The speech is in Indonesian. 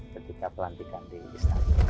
ketika pelantikan di istana